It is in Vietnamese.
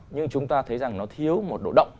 nhưng chúng ta thấy rằng nó thiếu một độ động